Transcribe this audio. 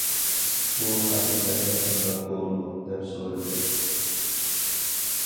ئۇ: ھەقىقەتەن شۇنداق بولدىمۇ؟ -دەپ سورىدى.